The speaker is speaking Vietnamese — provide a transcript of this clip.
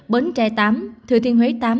bến tre tám thừa thiên huế tám